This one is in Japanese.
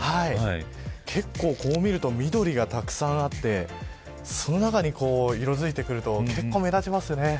こう見ると緑がたくさんあってその中に、色づいてくると結構、目立ちますね。